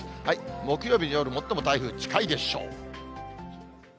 木曜日の夜、最も台風近いでしょう。